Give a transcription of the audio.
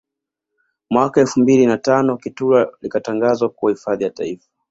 Mwaka elfu mbili na tano Kitulo likatangazwa kuwa hifadhi ya Taifa